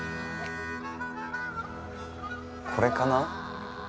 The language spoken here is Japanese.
これかな？